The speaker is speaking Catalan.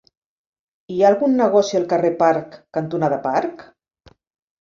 Hi ha algun negoci al carrer Parc cantonada Parc?